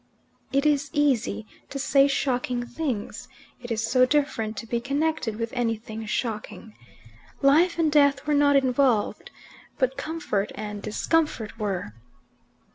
It is easy to say shocking things: it is so different to be connected with anything shocking. Life and death were not involved, but comfort and discomfort were.